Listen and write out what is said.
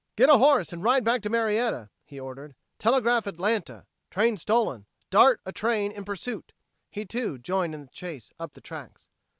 "Get a horse and ride back to Marietta," he ordered. "Telegraph Atlanta train stolen start a train in pursuit." He, too, joined in the chase up the tracks.